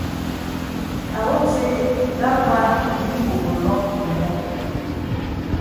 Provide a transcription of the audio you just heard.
I hope say dat wan mimbo go lock ya mop.